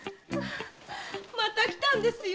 またきたんですよ。